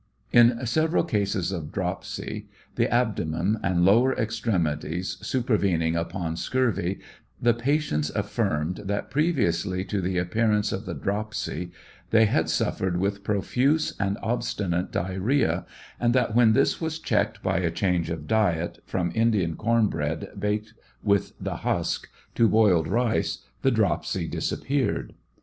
In several cases of dropsy the abdomen and lower extremities superven ing upon scurvy, the patients aflirmed that previously to the appear ance of the dropsy they had sulfered witn profuse and obstmate diarrhea, and that when this was checked by a change of diet, from Indian corn bread baked with the husk, to boiled rice, the dropsy disappeared.